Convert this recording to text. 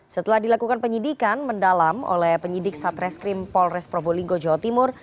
setelah dilakukan penyidikan mendalam oleh penyidik satreskrim polres probolinggo jawa timur